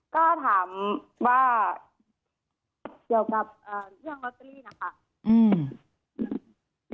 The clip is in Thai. ก็ถามว่าเกี่ยวกับเรื่องลอตเตอรี่นะคะ